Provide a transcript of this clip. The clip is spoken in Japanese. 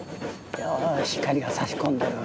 よし光がさし込んでる。